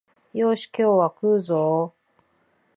よーし、今日は食うぞお